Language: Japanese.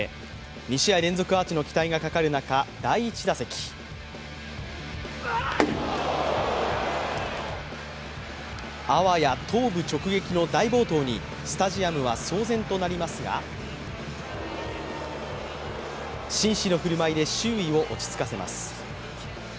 ２試合連続アーチの期待がかかる中第１打席あわや頭部直撃の大暴騰にスタジアムは騒然となりますが紳士の振る舞いで周囲を落ち着かせます。